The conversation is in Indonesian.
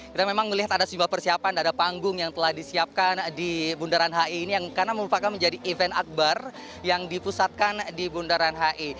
kita memang melihat ada sejumlah persiapan ada panggung yang telah disiapkan di bundaran hi ini yang karena merupakan menjadi event akbar yang dipusatkan di bundaran hi